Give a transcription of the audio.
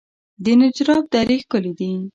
د نجراب درې ښکلې دي